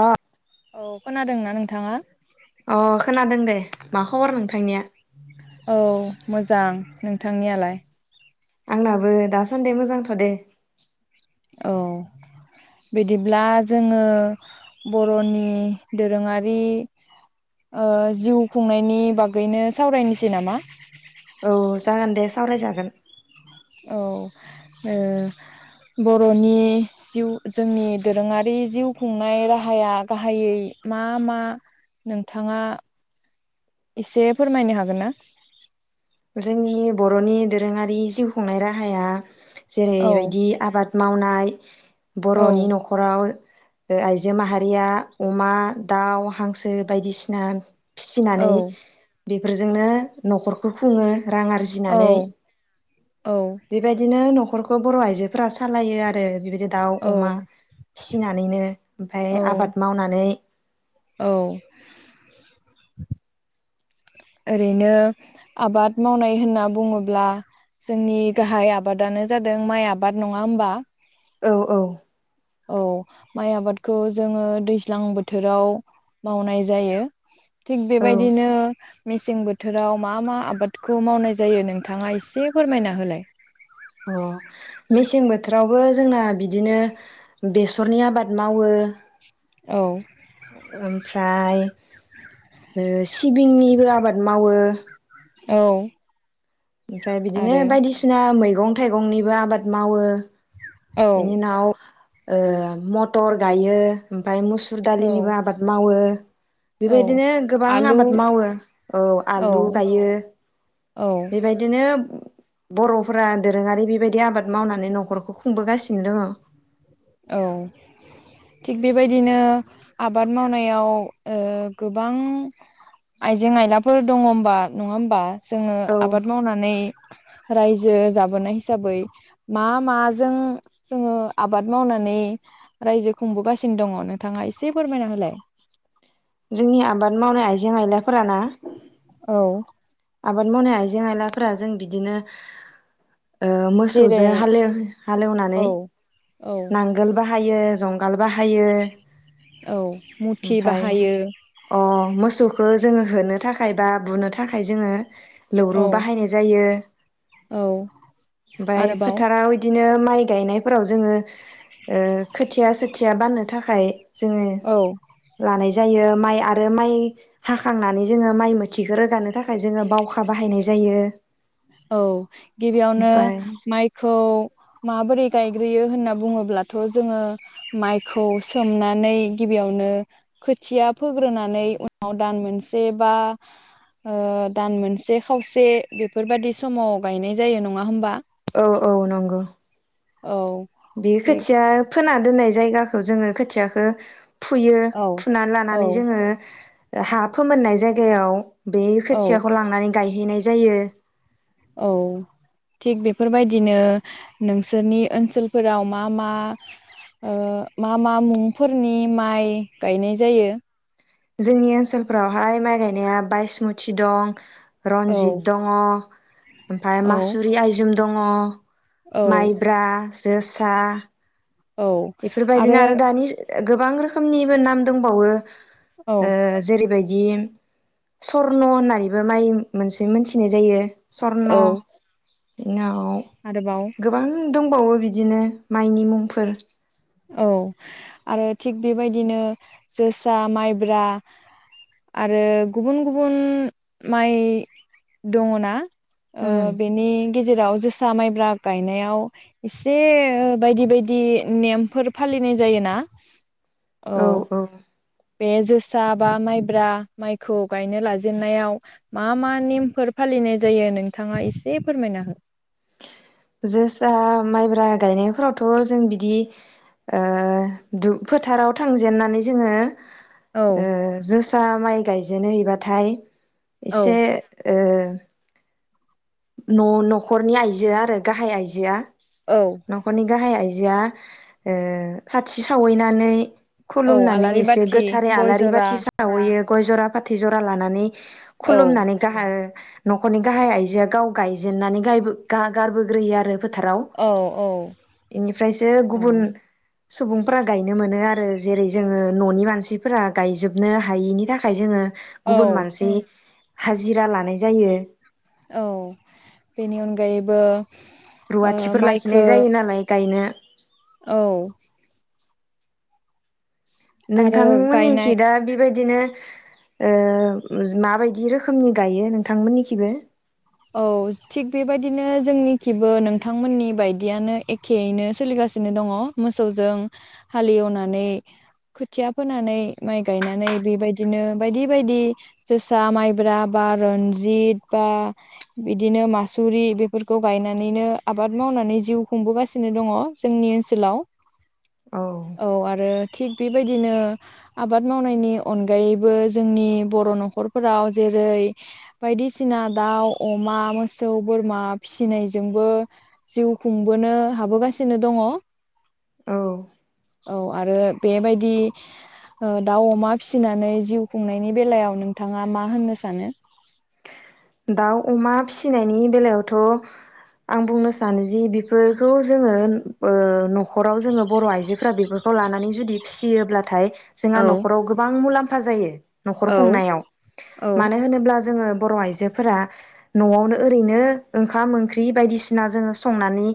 अ औ खोनादोंना नोंथाङा। अ खोनादों दे मा खबर नोंथांनिया औ मोजां नोंथांनियालाय? आंनाबो दासान्दि मोजांथ' दे। औ बिदिब्ला जोङो बर'नि दोरोङारि ओ जिउ खुंनायनि बागैनो सावरायनिसै नामा? औ जागोन दे। सावरायजागोन। औ ओ बर'नि जिउ जोंनि दोरोङारि जिउ खुंनाय राहाया गाहायै मा मा नोंथाङा एसे फोरमायनो हागोन ना? जोंनि बर'नि दोरोङारि जिउ खुंनाय राहाया औ जेरैबायदि आबाद मावनाय। औ बर'नि न'खराव ओ आइजो माहारिया अमा दाउ हांसो बायदिसिना औ फिसिनानै बेफोरजोंनो न'खरखौ खुङो। रां औ आरजिनानै औ बेबायदिनो नख न'खरखौ बर' आइजोफोरा सालायो आरो। बिबायदि दाउ औ अमा फिसिनानैनो ओमफाय औ आबाद मावनानै औ ओरैनो आबाद मावनाय होनना बुङोब्ला जोंनि गाहाय आबादानो जादों माइ आबाद नङा होमबा? औ औ। औ माइ आबादखौ जोङो दैज्लां बोथोराव मावनाय जायो। थिग औ बेबायदिनो मेसें बोथोराव मा मा आबादखौ मावनाय जायो नोंथाङा एसे फोरमायना होलाय। अ मेसें बोथोराव बो जोंना बिदिनो बेसरनि आबाद मावो। औ ओमफ्रा फ्राय ओ सिबिंनिबो आबाद मावो। औ। ओमफ्राय बिदिनो आरो बायदिसिना मै मैगं थाइगंनिबो आबाद मावो। औ बिनि उनाव ओ मथर गायो। फाय मुसुर औ दालिनिबो आबाद मावो। औ बेबायदिनो गोबां आलु आबाद मावो औ औ आलु गायो। औ बेबायदिनो बर'फोरा दोरोङारि बेबायदि आबाद मावनानै न'खरखौ खुंबोगासिनो दङो। औ थिग बेबायदिनो आबाद मावनायाव ओ गोबां आइजें आइलाफोर दङ होबा नङा होमबा? जोङो औ आबाद मावनानै रायजो जाबोनाय हिसाबै मा माजों जोङो आबाद मावनानै रायजो खुंबोगासिनो दङ' नोंथाङा एसे फोरमायना होलाय जोंनि आबाद मावनाय आइ जें आयलाफोरा ना औ आबाद मावनाय आइजें आइलाफोरा जों बिदिनो ओ मोसौजों जेरै हाल हालेवनानै औ औ नांगोल बाहायो [unintelligible] बाहायो औ मथि ओमफाय बाहायो अ मोसौखौ जोङो होनो थाखाय बा बुनो थाखाय जोङो लौरु औ बाहायनाय जायो औ ओमफाय आरोबाव फोथाराव इदिनो [unintelligible] माइ गायनायफोराव जोङो ओ खोथिया सोथिया बाननो थाखाय जोङो औ लानाय जायो माइ आरो माइ हाखांनानै जोङो माइ मोथिखो रोगानो थाखाय जोङो बावखा बाहायनाय जायो। औ गिबियावनो ओमफाय माइखौ माबोरै गायग्रोयो होनना बुङोब्लाथ' जोङो माइखौ सोमनानै गिबियावनो खोथिया फोग्रोनानै उनाव दान मोनसे बा ओ दान मोनसे खावसे बेफोरबादि समाव गायनाय जायो नङा होमबा औ औ नंगौ। औ बे थिग खोथिया खोना दोननाय जायगाखो जोङो खोथियाखो फुयो औ फुनानै औ लानानै जोङो हा फोमोननाय जायगायाव बे औ खोथियाखौ लांनानै गायहैनाय जायो औ थिग बेफोरबायदिनो नोंसोरनि ओनसोलफोराव मा मा ओ मा मा मुंफोरनि माइ गायनाय जायो? जोंनि ओनसोलफोरावहाय माइ गायनाया बायसमुथि दं औ रन्जित दङ' ओमफ्राय औ मासुरि आइजुं दङ औ माइब्रा जोसा औ बेफोरबायदिनो आरो दानि गोबां रोखोमनिबो नाम दंबावो। औ ओ जेरैबायदि बिदि सर्न' होननानैबो माइ मोनसे मोनथिनाय जायो। सर्न' औ बिनो अ आव आरोबाव गोबां दंबावो बिदिनो माइनि मुंफोर औ आरो थिग बेबायदिनो जोसा माइब्रा आरो गुबुन गुबुन माइ दङ ना? ओ बेनि गेजेराव जोसा माइब्रा गायनायाव एसे बायदि बायदि नेम फोर फालिनाय जायोना औ औ बे जोसा बा माइब्रा माइखौ गायनो लाजेननायाव मा मा नेमफोर फालिनाय जायो नोंथाङा एसे फोरमायना हो? जोसा माइब्रा गायनायफोरावथ' जों बिदि ओ दु फोथाराव थांजेननानै जोङो औ ओ जोसा माइ गायजे बिदिनो हैबाथाय औ एसे ओ [inaudible] न' न'खरनि आइजोआ आरो गाहाय आइजोआ औ न'खरनि गाहाय आइजो बिया ओ साथि सावैनानै औ खुलुमनानै आलारि एसे बाथि गोथारै गय आलारि जरा बाथि सावैयो गय जरा फाथै जरा लानानै औ खुलुमनानै गाहरो। न'खरनि गाहाय आइजोया गाव गायजेननानै गायबो गारबोग्रोयो आरो फोथाराव औ इनिफ्रायसो गुबुन औ सुबुंफोरा गायनो मोनो आरो जेरै जोङो न'नि मानसिफोरा गायजोबनो हायिनि थाखाय जोङो गुबुन औ मानसि हाजिरा लानाय जायो। औ बेनि अनगायैबो ओ रुवाथिफोर माइखो लाखिनाय जायो नालाय गायनो औ आरो गायनाय नोंथांमोननिखि दा बेबायदि बिदिनो ओ माबायदि रोखोमनि गायो नोंथांमोननिखैबो औ थिग बेबायदिनो जोंनिखैबो नोंथांमोननि बायदियानो एखेयैनो सोलिगासिनो दङ मोसौजों हालेवनानै खोथिया फोनानै, माइ गायनानै बेबायदिनो बायदि बायदि जोसा माइब्रा बा रन्जित बा बिदिनो मासुरि बेफोरखौ गायनानैनो आबाद मावनानै जिउ खुंबोगासिनो दङ जोंनि ओनसोलाव औ आरो थिग बेबायदिनो आबाद मावनायनि अनगायैबो जोंनि बर' न'खरफोराव जेरै बायदिसिना दाउ अमा, मोसौ, बोरमा फिसिनायजोंबो जिउ खुंबोनो हाबोगासिनो दङ। औ। औ आरो बेबायदि ओ दाउ अमा फिसिनानै जिउ खुंनायनि बेलायाव नोंथाङा मा होननो सानो? दाउ अमा फिसिनायनि बेलायावथ' आं बुंनो सानो जि बे फोरखौ जोङो ओ न'खराव जोङो बर' आइजोफोरा बेफोरखौ लानानै जुदि फिसियोब्लाथाय जोंहा औ नख'राव गोबां मुलाम फा जायो न'खर औ खुंनायाव मानो होनोब्ला जोङो बर' आइजो फोरा न'आवनो ओरैनो ओंखाम ओंख्रि बायदिसिना जोङो संनानै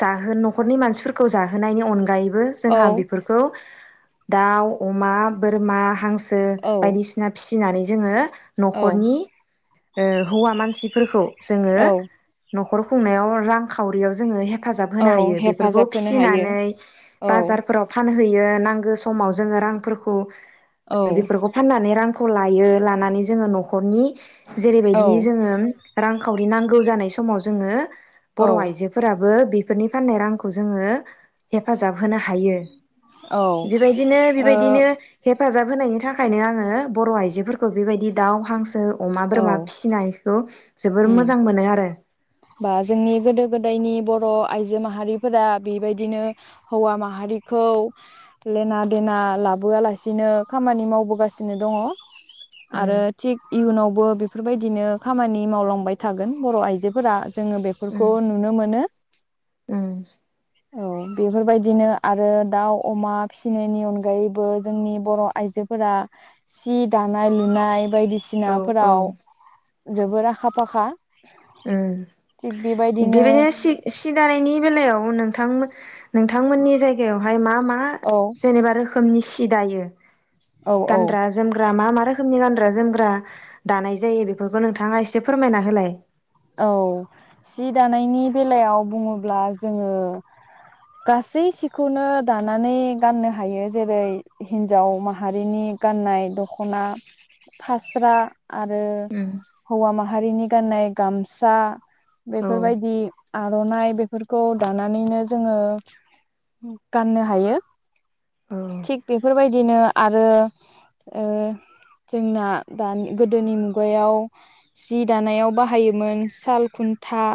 जाहो न'खरनि मानसिफोरखौ जाहोनायनि अनगायै बो जोंहा औ बेफोरखौ दाउ, अमा, बोरमा, हांसो आरो औ बायदिसिना फिसि फिनानै जोङो न'खरनि औ ओ हौवा मानसिफोरखौ जोङो न'खर खुंनायाव रां खावरियाव जोङो हे हेफाजाब औ होनो हायो बेफोरखौ हेफाजाब होनो हायो फिसिनानै औ बाजारफोराव फान होयो नांगो समाव जोङो रांफोरखौ औ बेफोरखौ फाननानै रां खौ लायो लानानै जोङो न'खरनि औ जेरैबायदि जोङो रां रांखावरि नांगौ जानाय समाव जोङो औ बर' आइजोफोराबो बो बेफोरनि फाननाय रांखौ जोङो हेफाजाब होनो हायो ओ बेबायदिनो बेबायदिनो हे हेफाजाब होनायनि थाखायनो आङो बर' आइजोफोरखौ बेबायदि दाव, हांसो, औ बोरमा फिसिनायखौ जोबोर उम मोजां मोनो आरो। बा जोंनि गोदो गोदायनि बर आइजो माहारिफोरा बेबायदिनो हौवा माहारिखौ लेना देना लाबोआलासिनो खामानि मावबोगासिनो दङ। आरो उम थिक इयुनावबो बेफोरबायदिनो खामानि मावलांबाय थागोन बर आइजो फोरा। जोङो उम बेफोरखौ नुनो मोनो। उम औ बेफोरबायदिनो आरो दाउ अमा फिसिनायनि अनगायैबो जोंनि बर आइजोफोरा सि दानाय लुनाय औ औ बायदिसिनाफोराव जोबोर आखा फाखा। उम बेबायदिनो सि सि दानायनि बेलायाव नों थां नोंथांमोननि जायगायावहाय मा मा औ जेनेबा रोखनि सि सिदायो? औ औ गानद्रा जोमग्रा मा मा रोखोमनि गान ग्रा जोमग्रा दानाय जायो बेफोरखौ नोंथाङा एसे फोरमायना होलाय। औ सि दानायनि बेलायाव बुङोब्ला जोङो गासै सिखौनो दानानै गाननो हायो जेरै हिन्जाव माहारिनि गाननाय दखना फास्रा आरो उम हौवा माहा हारिनि गाननाय गामसा औ बेफोरबायदि आरनाइ बेफोरखौ दानानैनो जोङो गाननो हायो औ थिग बेफोरबायदिनो आरो ओ जोंना दा गोदोनि मुगायाव जि दानायाव बाहा बाहायोमोन साल खुन्था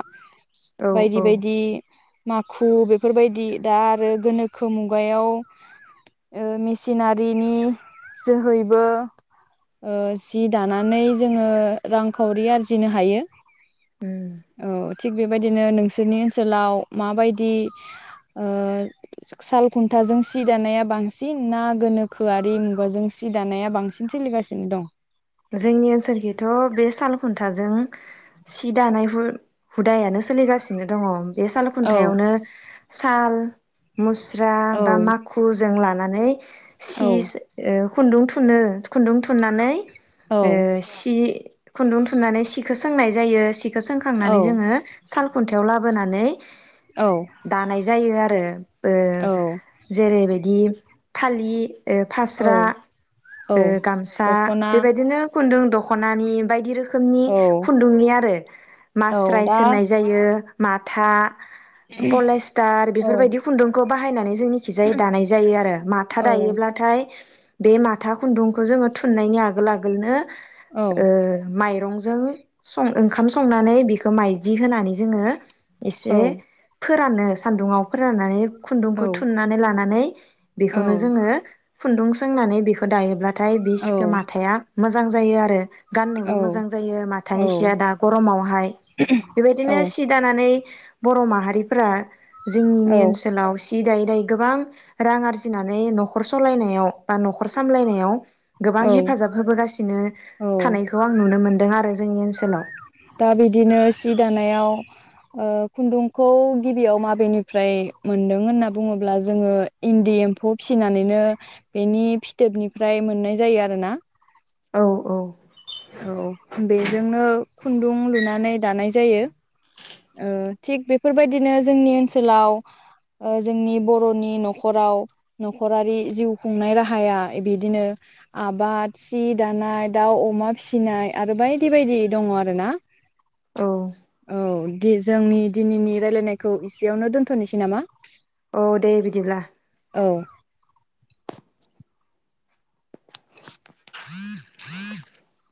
औ बायदि औ बायदि। माखु बेफोरबायदि दा आरो गोनोखो मुगायाव ओ मिसिनारिनि जोहैबो ओ जि दानानै जोङो रांखावरि आरजिनो हायो। उम औ थिग बेबायदिनो नोंसोरनि ओनसोलाव माबायदि ओ साल खुन्थाजों सि दानाया बांसिन ना गोनोखोआरि मुगाजों सि दानाया बांसिन सोलिगासिनो दं? जोंनि ओनसोलखैथ बे साल खुन्थाजों सि दानाय हु-हुदायानो सोलिगासिनो दङ। बे साल औ खुन्थायावनो साल मुस रा औ बा माखु जों ला नानै औ सि सो ओ खुन्दुं थुनो खुन्दुं थुननानै औ ओ सि खुन्दुं थुननानै सिखौ सोंनाय जायो सि खौ औ सोंखांनानै जोङो साल खुन्थायाव लाबोनानै औ दानाय जायो आरो [inaudible] ओ औ जेरैबायदि फालि ओ औ फास्रा औ ओ गामसा दख'ना बे बेबायदिनो खुन्दुं दख दख'नानि बायदि रोखोम रोखोमनि औ खुन्दुंनि आरो औ मास्रायसज दा होननाय जायो माथा था पलेस्टार औ बेफोरबायदि खुन्दुंखौ बाहायनानै जोंनिखिजाय दानाय जायो आरो माथा औ दायोब्लाथाय बे माथा खुन्दुंखौ जोङो थुननायनि आगोल आगोल आगोलनो औ ओ मायरंजों सङो ओंखाम संनानै बेखौ मायदि होनानै जोङो औ एसे फोरानो सान्दुङाव फोराननानै औ खुन्दुंखौ थुननानै लानानै औ बेखौनो जोङो खुन्दुं सोंनानै बेखौ दायोब्ला थाय बि सिखौ माथाया मोजां जायो आरो गाननोबो औ मोजां जायो माथानि सिया दा गरमावहाय बेबायदिनो औ सि दानानै बर' माहारिफोरा जोंनिनो ओनसोलाव सि दायै दायै गोबां रां आरजिनानै न'खर सलायनायाव बा न'खर सामलायनायाव गोबां औ हेफाजाब [unintelligible] औ थानायखौ आं नुनो मोनदों आरो जोंनि ओनसोल [unintelligible] दा बिदिनो सि दानायाव ओ खुन्दुंखौ गिबियाव माबेनिफ्राय मोन्दों होनना बुङोब्ला जोङो इन्दि एम्फौ फिसिनानैनो बेनि फिथोबनिफ्राय मोननाय जायो आरो ना औ औ औ बेजोंनो खुन्दुं लुनानै दानाय जायो ओ थिग बेफोरबायदिनो जोंनि ओनसोलाव जोंनि बरनि नखराव नखरारि जिउ खुंनाय राहाया बिदिनो आबाद सि दानाय दाउ अमा फिसिनाय आरो बायदि बायदि दङ आरो ना औ औ दि जोंनि दिनैनि रायलायनायखौ एसेयावनो दोन्थनोसै नामा औ दे बिदिब्ला औ [inaudible]